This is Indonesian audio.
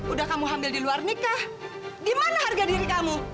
udah kamu hamil di luar nikah di mana harga diri kamu